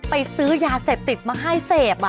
ซื้อยาเสพติดมาให้เสพ